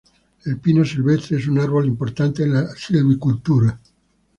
El pino silvestre es un árbol importante en la silvicultura.